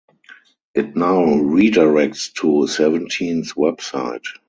It now redirects to "Seventeen"s website.